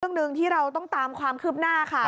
เรื่องหนึ่งที่เราต้องตามความคืบหน้าค่ะ